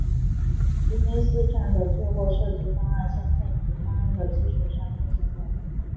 迪士尼站的最后设计方案将在此方案的基础上进行改进。